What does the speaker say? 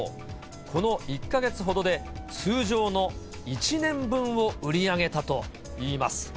この１か月ほどで、通常の１年分を売り上げたといいます。